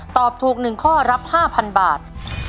ตอบถูกหนึ่งข้อรับ๕๐๐๐บาท